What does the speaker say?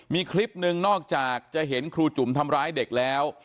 มีคลิปหนึ่งนอกจากจะเห็นครูจุ๋มทำร้ายเด็กแล้ว